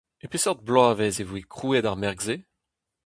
E peseurt bloavezh e voe krouet ar merk-se ?